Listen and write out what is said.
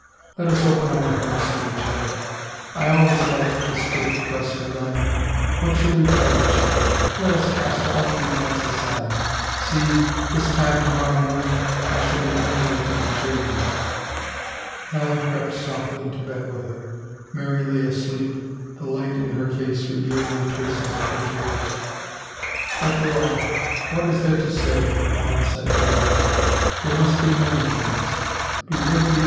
Let us open our hearts to each other. I always liked the stiff crust of thine. What shall we tell each other? Let us cast all pretense aside. See, this time to morrow morn ing I shall be unable to betray thee." Helen crept softly into bed with her. Mary lay asleep, the light in her face revealing the traces of her tears. After all, what is there to say ?" Helen said drearily. There must be many things.